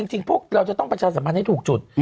จริงพวกเราจะต้องประชาสัมพันธ์ให้ถูกจุด